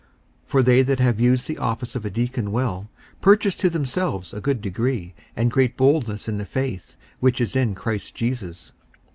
54:003:013 For they that have used the office of a deacon well purchase to themselves a good degree, and great boldness in the faith which is in Christ Jesus.